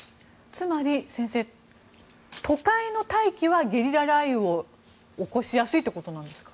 つまり、先生都会の大気はゲリラ雷雨を起こしやすいということですか。